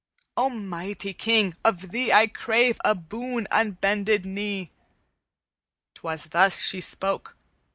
"'O mighty King! of thee I crave A boon on bended knee'; 'Twas thus she spoke.